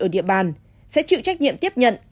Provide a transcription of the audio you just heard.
ở địa bàn sẽ chịu trách nhiệm tiếp nhận